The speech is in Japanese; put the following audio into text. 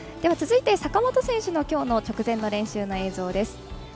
続いて、坂本選手のきょうの直前の練習の映像です。